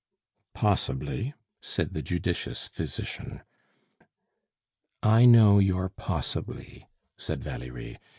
"Possibly," said the judicious physician. "I know your possibly," said Valerie.